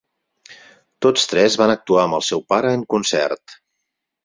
Tots tres van actuar amb el seu pare en concert.